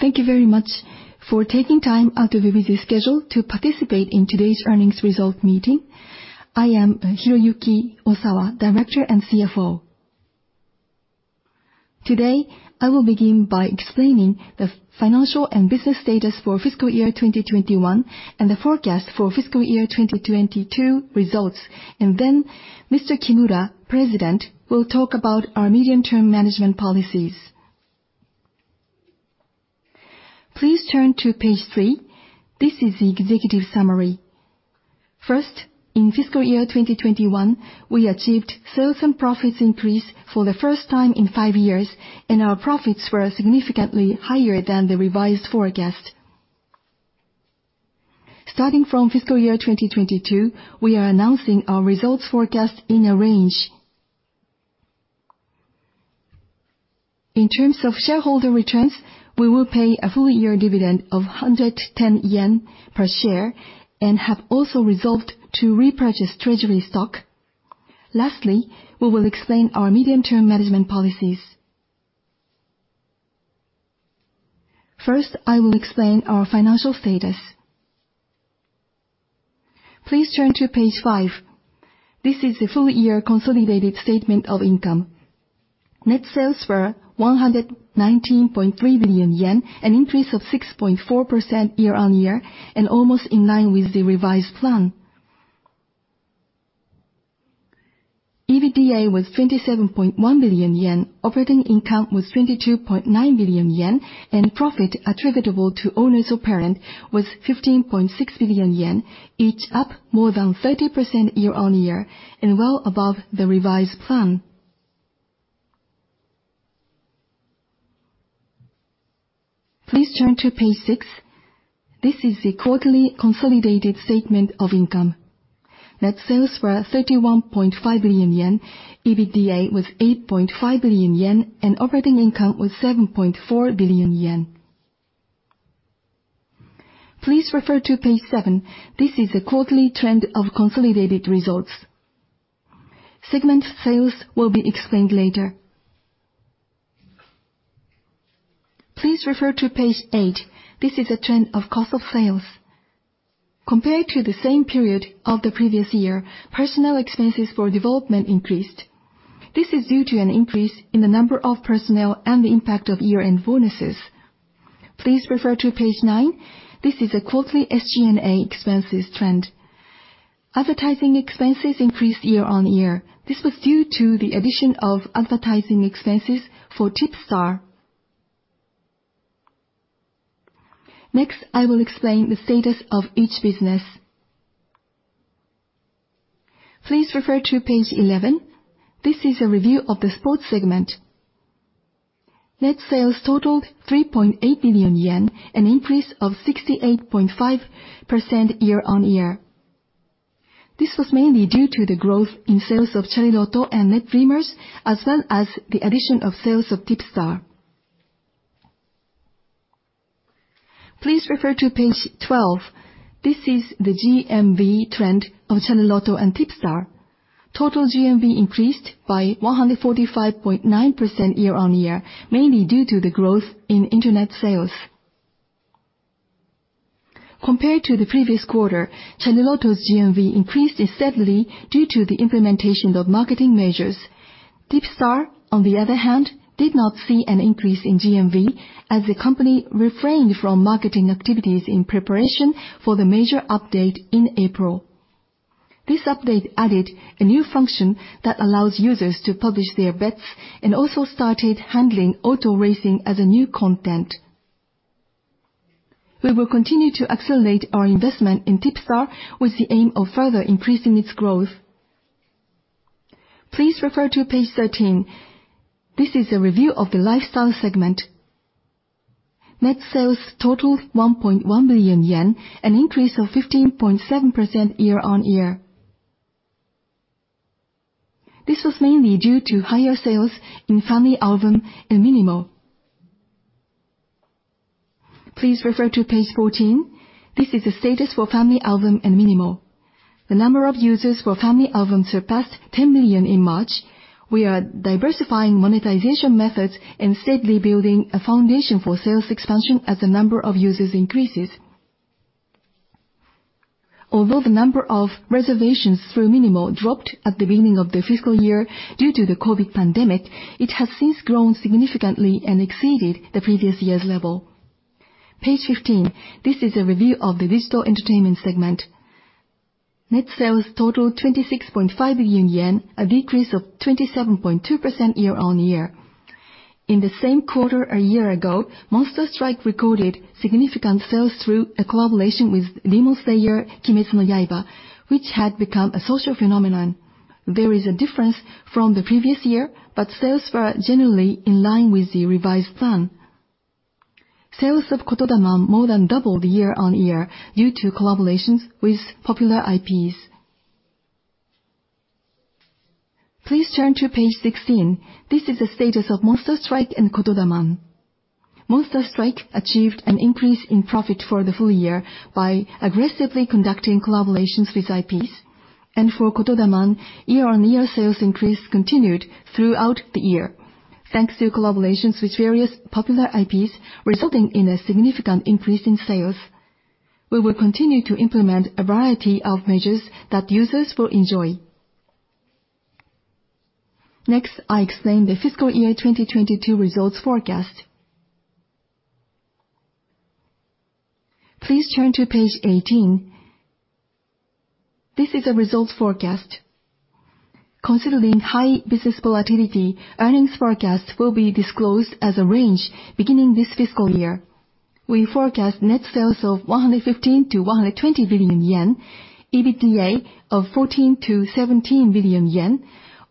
Thank you very much for taking time out of your busy schedule to participate in today's earnings result meeting. I am Hiroyuki Osawa, Director and CFO. Today, I will begin by explaining the financial and business status for fiscal year 2021 and the forecast for fiscal year 2022 results. Then Mr. Kimura, President, will talk about our medium-term management policies. Please turn to page three. This is the executive summary. First, in fiscal year 2021, we achieved sales and profits increase for the first time in five years, and our profits were significantly higher than the revised forecast. Starting from fiscal year 2022, we are announcing our results forecast in a range. In terms of shareholder returns, we will pay a full-year dividend of 110 yen per share and have also resolved to repurchase treasury stock. Lastly, we will explain our medium-term management policies. First, I will explain our financial status. Please turn to page five. This is the full year consolidated statement of income. Net sales were 119.3 billion yen, an increase of 6.4% year-on-year and almost in line with the revised plan. EBITDA was 27.1 billion yen. Operating income was 22.9 billion yen and profit attributable to owners of parent was 15.6 billion yen, each up more than 30% year-on-year and well above the revised plan. Please turn to page six. This is the quarterly consolidated statement of income. Net sales were 31.5 billion yen, EBITDA was 8.5 billion yen, and operating income was 7.4 billion yen. Please refer to page seven. This is the quarterly trend of consolidated results. Segment sales will be explained later. Please refer to page eight. This is the trend of cost of sales. Compared to the same period of the previous year, personnel expenses for development increased. This is due to an increase in the number of personnel and the impact of year-end bonuses. Please refer to page nine. This is a quarterly SG&A expenses trend. Advertising expenses increased year-on-year. This was due to the addition of advertising expenses for TIPSTAR. I will explain the status of each business. Please refer to page 11. This is a review of the sports segment. Net sales totaled JPY 3.8 billion, an increase of 68.5% year-on-year. This was mainly due to the growth in sales of Chariloto and Net Dreamers, as well as the addition of sales of TIPSTAR. Please refer to page 12. This is the GMV trend of Chariloto and TIPSTAR. Total GMV increased by 145.9% year-on-year, mainly due to the growth in internet sales. Compared to the previous quarter, Chariloto's GMV increased steadily due to the implementation of marketing measures. TIPSTAR, on the other hand, did not see an increase in GMV as the company refrained from marketing activities in preparation for the major update in April. This update added a new function that allows users to publish their bets and also started handling auto racing as a new content. We will continue to accelerate our investment in TIPSTAR with the aim of further increasing its growth. Please refer to page 13. This is a review of the lifestyle segment. Net sales totaled JPY 1.1 billion, an increase of 15.7% year-on-year. This was mainly due to higher sales in FamilyAlbum and minimo. Please refer to page 14. This is the status for FamilyAlbum and minimo. The number of users for FamilyAlbum surpassed 10 million in March. We are diversifying monetization methods and steadily building a foundation for sales expansion as the number of users increases. Although the number of reservations through minimo dropped at the beginning of the fiscal year due to the COVID-19 pandemic, it has since grown significantly and exceeded the previous year's level. Page 15. This is a review of the Digital Entertainment segment. Net sales totaled 26.5 billion yen, a decrease of 27.2% year-on-year. In the same quarter a year ago, Monster Strike recorded significant sales through a collaboration with Demon Slayer: Kimetsu no Yaiba, which had become a social phenomenon. There is a difference from the previous year, sales were generally in line with the revised plan. Sales of Kotodaman more than doubled year-on-year due to collaborations with popular IPs. Please turn to page 16. This is the status of Monster Strike and Kotodaman. Monster Strike achieved an increase in profit for the full year by aggressively conducting collaborations with IPs. For Kotodaman, year-on-year sales increase continued throughout the year, thanks to collaborations with various popular IPs, resulting in a significant increase in sales. We will continue to implement a variety of measures that users will enjoy. Next, I explain the fiscal year 2022 results forecast. Please turn to page 18. This is a results forecast. Considering high business volatility, earnings forecasts will be disclosed as a range beginning this fiscal year. We forecast net sales of 115 billion-120 billion yen, EBITDA of 14 billion-17 billion yen,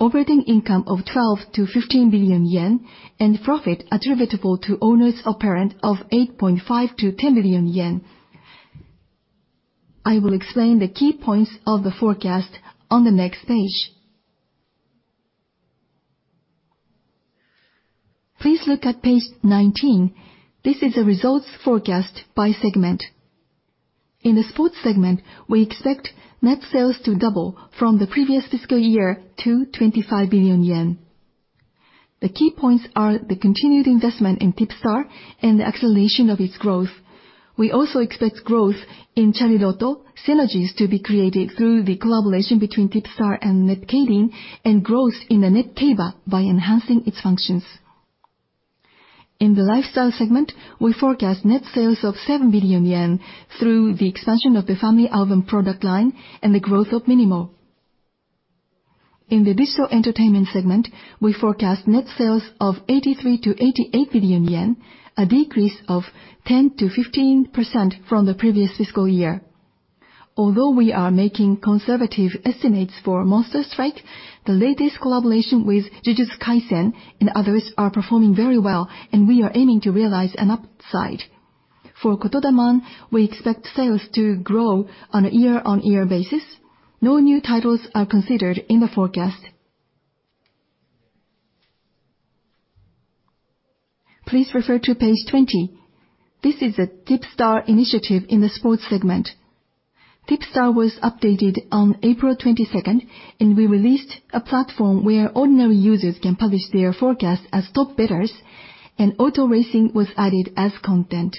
operating income of 12 billion-15 billion yen, and profit attributable to owners of parent of 8.5 billion-10 billion yen. I will explain the key points of the forecast on the next page. Please look at page 19. This is a results forecast by segment. In the sports segment, we expect net sales to double from the previous fiscal year to 25 billion yen. The key points are the continued investment in TIPSTAR and the acceleration of its growth. We also expect growth in Chariloto, synergies to be created through the collaboration between TIPSTAR and netkeirin, and growth in the netkeiba by enhancing its functions. In the lifestyle segment, we forecast net sales of 7 billion yen through the expansion of the FamilyAlbum product line and the growth of minimo. In the digital entertainment segment, we forecast net sales of 83 billion-88 billion yen, a decrease of 10%-15% from the previous fiscal year. We are making conservative estimates for Monster Strike, the latest collaboration with Jujutsu Kaisen and others are performing very well, and we are aiming to realize an upside. For Kotodaman, we expect sales to grow on a year-on-year basis. No new titles are considered in the forecast. Please refer to page 20. This is a TIPSTAR initiative in the sports segment. TIPSTAR was updated on April 22nd, and we released a platform where ordinary users can publish their forecasts as top bettors, and auto racing was added as content.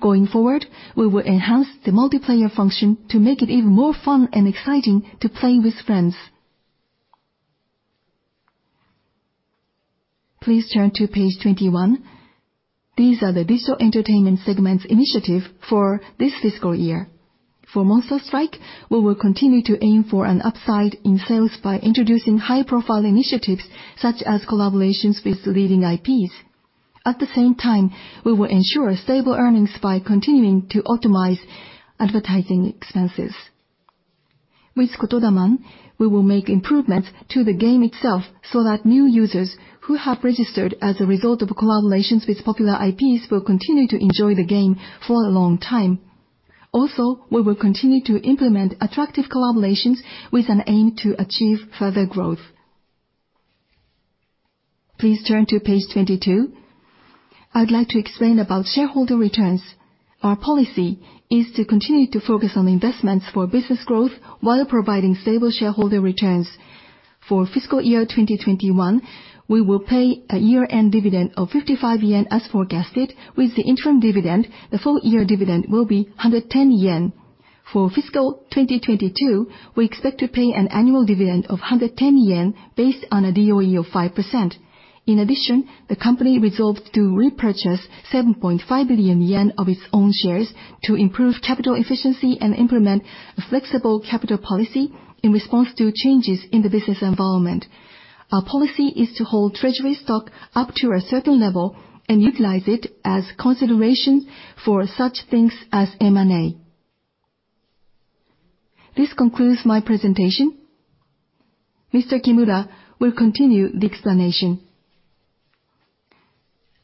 Going forward, we will enhance the multiplayer function to make it even more fun and exciting to play with friends. Please turn to page 21. These are the digital entertainment segment's initiative for this fiscal year. For Monster Strike, we will continue to aim for an upside in sales by introducing high-profile initiatives, such as collaborations with leading IPs. At the same time, we will ensure stable earnings by continuing to optimize advertising expenses. With Kotodaman, we will make improvements to the game itself so that new users who have registered as a result of collaborations with popular IPs will continue to enjoy the game for a long time. Also, we will continue to implement attractive collaborations with an aim to achieve further growth. Please turn to page 22. I would like to explain about shareholder returns. Our policy is to continue to focus on investments for business growth while providing stable shareholder returns. For fiscal year 2021, we will pay a year-end dividend of 55 yen as forecasted. With the interim dividend, the full year dividend will be 110 yen. For fiscal 2022, we expect to pay an annual dividend of 110 yen based on a DOE of 5%. In addition, the company resolved to repurchase 7.5 billion yen of its own shares to improve capital efficiency and implement a flexible capital policy in response to changes in the business environment. Our policy is to hold treasury stock up to a certain level and utilize it as consideration for such things as M&A. This concludes my presentation. Mr. Kimura will continue the explanation.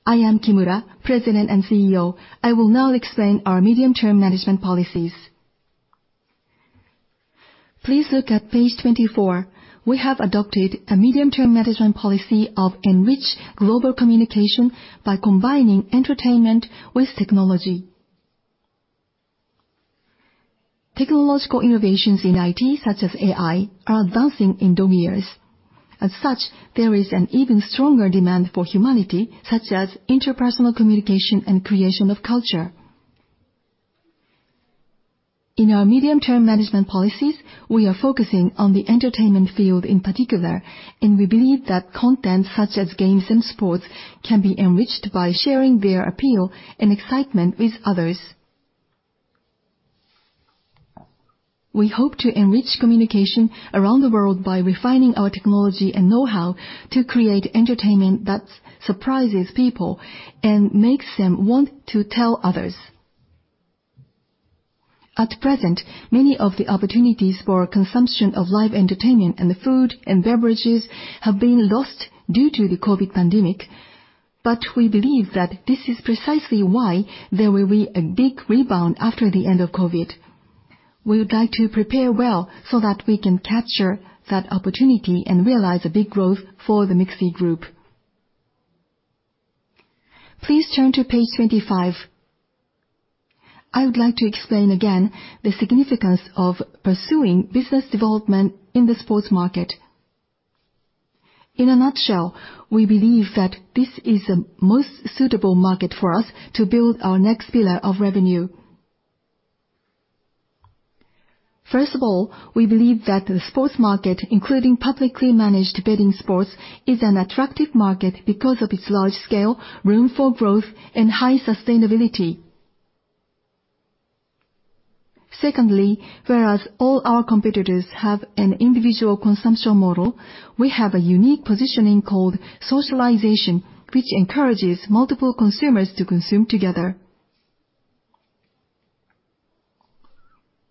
I am Kimura, President and CEO. I will now explain our medium-term management policies. Please look at page 24. We have adopted a medium-term management policy of enrich global communication by combining entertainment with technology. Technological innovations in IT, such as AI, are advancing in dog years. There is an even stronger demand for humanity, such as interpersonal communication and creation of culture. In our medium-term management policies, we are focusing on the entertainment field in particular, and we believe that content such as games and sports can be enriched by sharing their appeal and excitement with others. We hope to enrich communication around the world by refining our technology and know-how to create entertainment that surprises people and makes them want to tell others. At present, many of the opportunities for consumption of live entertainment and food and beverages have been lost due to the COVID-19 pandemic. We believe that this is precisely why there will be a big rebound after the end of COVID-19. We would like to prepare well so that we can capture that opportunity and realize a big growth for the MIXI Group. Please turn to page 25. I would like to explain again the significance of pursuing business development in the sports market. In a nutshell, we believe that this is the most suitable market for us to build our next pillar of revenue. First of all, we believe that the sports market, including publicly managed betting sports, is an attractive market because of its large scale, room for growth, and high sustainability. Secondly, whereas all our competitors have an individual consumption model, we have a unique positioning called socialization, which encourages multiple consumers to consume together.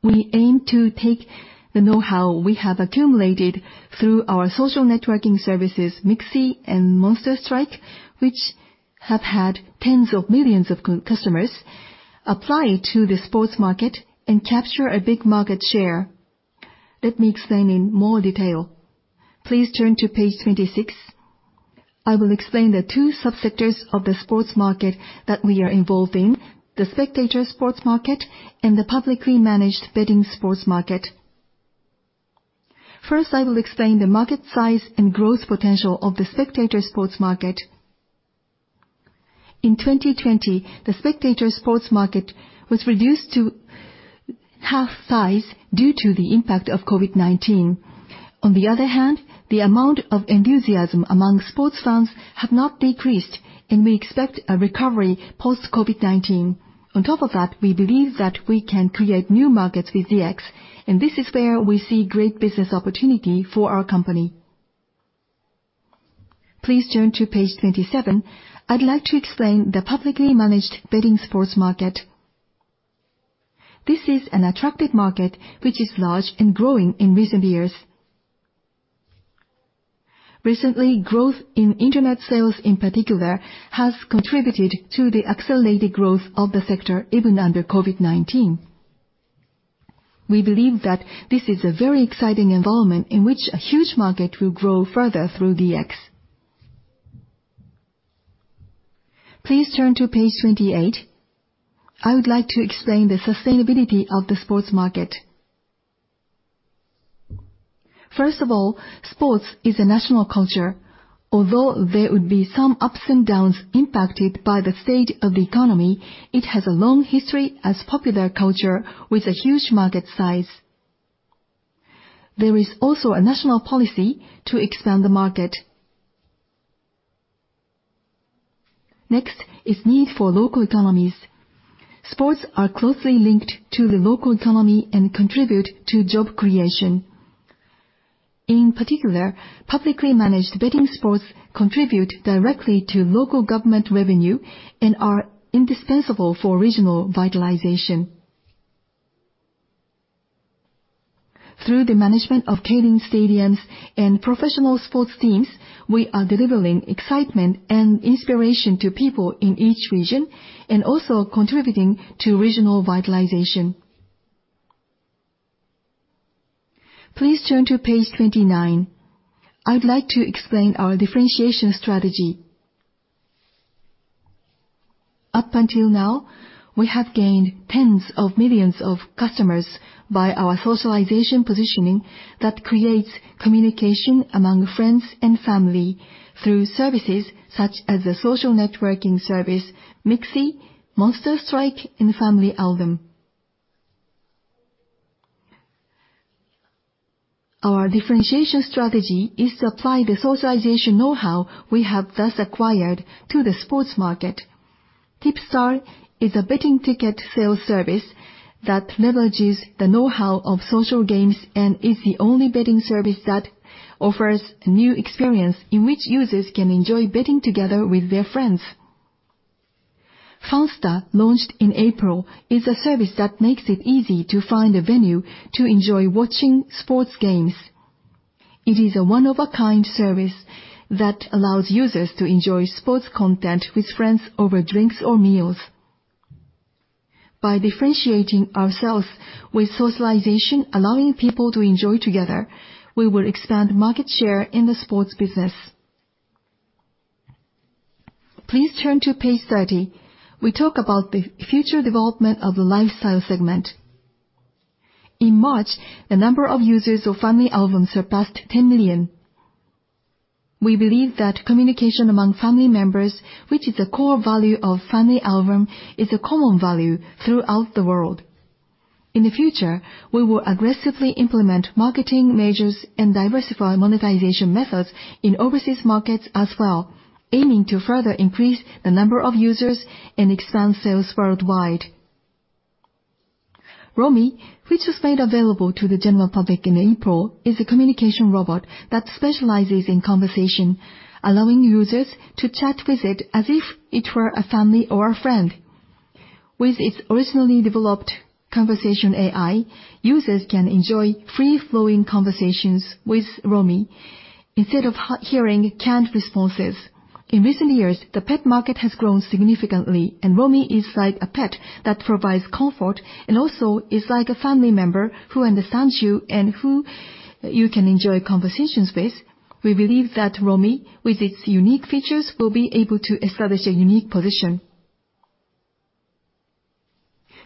We aim to take the knowhow we have accumulated through our social networking services, MIXI and Monster Strike, which have had tens of millions of customers, apply it to the sports market and capture a big market share. Let me explain in more detail. Please turn to page 26. I will explain the two sub-sectors of the sports market that we are involved in, the spectator sports market, and the publicly managed betting sports market. I will explain the market size and growth potential of the spectator sports market. In 2020, the spectator sports market was reduced to half size due to the impact of COVID-19. On the other hand, the amount of enthusiasm among sports fans have not decreased, and we expect a recovery post-COVID-19. On top of that, we believe that we can create new markets with DX, and this is where we see great business opportunity for our company. Please turn to page 27. I'd like to explain the publicly managed betting sports market. This is an attractive market, which is large and growing in recent years. Recently, growth in internet sales in particular, has contributed to the accelerated growth of the sector, even under COVID-19. We believe that this is a very exciting involvement in which a huge market will grow further through DX. Please turn to page 28. I would like to explain the sustainability of the sports market. First of all, sports is a national culture. Although there would be some ups and downs impacted by the state of the economy, it has a long history as popular culture with a huge market size. There is also a national policy to expand the market. Next is need for local economies. Sports are closely linked to the local economy and contribute to job creation. In particular, publicly managed betting sports contribute directly to local government revenue and are indispensable for regional vitalization. Through the management of Keirin stadiums and professional sports teams, we are delivering excitement and inspiration to people in each region and also contributing to regional vitalization. Please turn to page 29. I'd like to explain our differentiation strategy. Up until now, we have gained tens of millions of customers by our socialization positioning that creates communication among friends and family through services such as a social networking service, MIXI, Monster Strike, and FamilyAlbum. Our differentiation strategy is to apply the socialization knowhow we have thus acquired to the sports market. TIPSTAR is a betting ticket sales service that leverages the knowhow of social games and is the only betting service that offers a new experience in which users can enjoy betting together with their friends. Fansta, launched in April, is a service that makes it easy to find a venue to enjoy watching sports games. It is a one-of-a-kind service that allows users to enjoy sports content with friends over drinks or meals. By differentiating ourselves with socialization, allowing people to enjoy together, we will expand market share in the sports business. Please turn to page 30. We talk about the future development of the lifestyle segment. In March, the number of users of FamilyAlbum surpassed 10 million. We believe that communication among family members, which is a core value of FamilyAlbum, is a common value throughout the world. In the future, we will aggressively implement marketing measures and diversify monetization methods in overseas markets as well, aiming to further increase the number of users and expand sales worldwide. Romi, which was made available to the general public in April, is a communication robot that specializes in conversation, allowing users to chat with it as if it were a family or a friend. With its originally developed conversation AI, users can enjoy free-flowing conversations with Romi instead of hearing canned responses. In recent years, the pet market has grown significantly, and Romi is like a pet that provides comfort and also is like a family member who understands you and who you can enjoy conversations with. We believe that Romi, with its unique features, will be able to establish a unique position.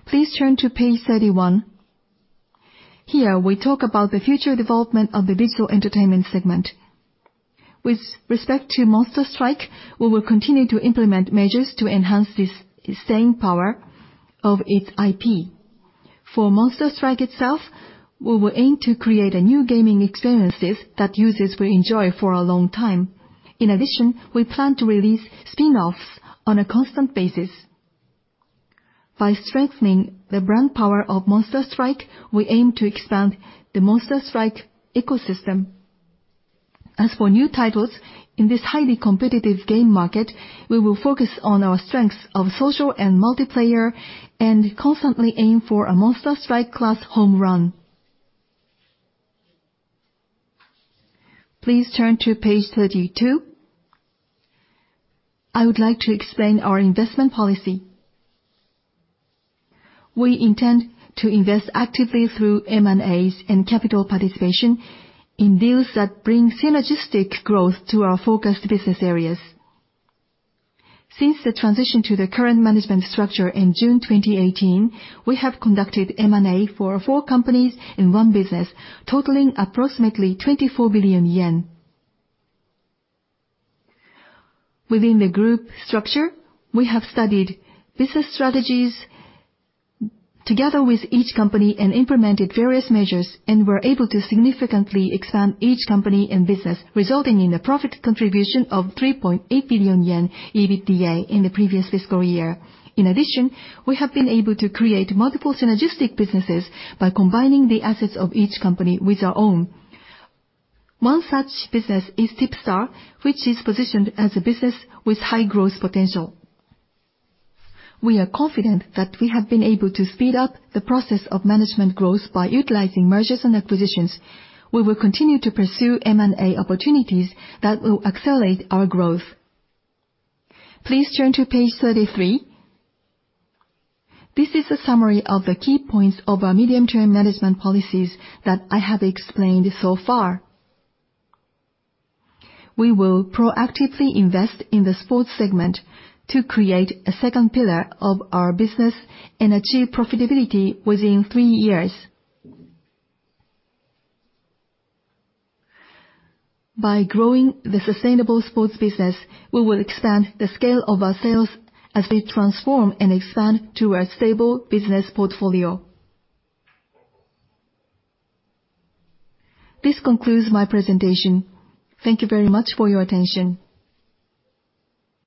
Please turn to page 31. Here, we talk about the future development of the Digital Entertainment segment. With respect to Monster Strike, we will continue to implement measures to enhance the staying power of its IP. For Monster Strike itself, we will aim to create new gaming experiences that users will enjoy for a long time. We plan to release spinoffs on a constant basis. By strengthening the brand power of Monster Strike, we aim to expand the Monster Strike ecosystem. As for new titles in this highly competitive game market, we will focus on our strengths of social and multiplayer, and constantly aim for a Monster Strike class home run. Please turn to page 32. I would like to explain our investment policy. We intend to invest actively through M&As and capital participation in deals that bring synergistic growth to our focused business areas. Since the transition to the current management structure in June 2018, we have conducted M&A for four companies in one business, totaling approximately JPY 24 billion. Within the group structure, we have studied business strategies together with each company and implemented various measures, and were able to significantly expand each company and business, resulting in a profit contribution of 3.8 billion yen EBITDA in the previous fiscal year. In addition, we have been able to create multiple synergistic businesses by combining the assets of each company with our own. One such business is TIPSTAR, which is positioned as a business with high growth potential. We are confident that we have been able to speed up the process of management growth by utilizing mergers and acquisitions. We will continue to pursue M&A opportunities that will accelerate our growth. Please turn to page 33. This is a summary of the key points of our medium-term management policies that I have explained so far. We will proactively invest in the sports segment to create a second pillar of our business and achieve profitability within three years. By growing the sustainable sports business, we will expand the scale of our sales as we transform and expand to a stable business portfolio. This concludes my presentation. Thank you very much for your attention.